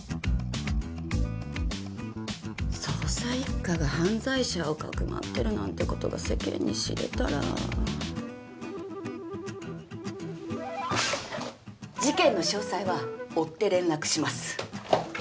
捜査一課が犯罪者をかくまってるなんてことが世間に知れたら事件の詳細は追って連絡します